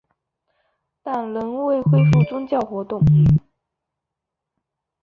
但仍未恢复宗教活动。